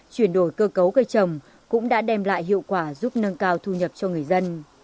chuyển đổi cơ cấu cây trồng cũng đã đem lại hiệu quả giúp nâng cao thu nhập cho người dân